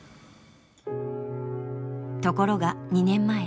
ところが２年前。